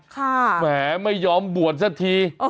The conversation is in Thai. แหมไม่ยอมบวชสักที